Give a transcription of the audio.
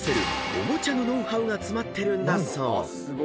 オモチャのノウハウが詰まってるんだそう］